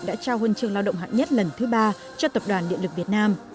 đã trao huân chương lao động hạng nhất lần thứ ba cho tập đoàn điện lực việt nam